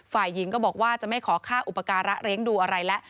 ฝ่ายหญิงก็บอกว่าจะไม่ขอค่าอุปการะเลี้ยงดูอะไรแล้ว